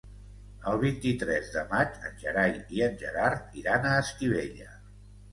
El vint-i-tres de maig en Gerai i en Gerard iran a Estivella.